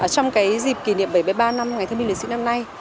trong cái dịp kỷ niệm bảy mươi ba năm ngày thơ minh lịch sĩ năm nay